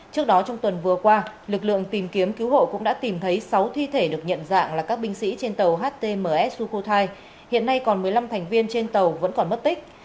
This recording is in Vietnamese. trước đó trong tuần vừa qua lực lượng tìm kiếm cứu hộ cũng đã tìm thấy sáu thi thể được nhận dạng là các binh sĩ trên tàu htmsuco hai hiện nay còn một mươi năm thành viên trên tàu vẫn còn mất tích